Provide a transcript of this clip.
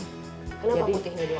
telur apa putih ini